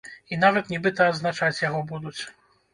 І нават нібыта адзначаць яго будуць!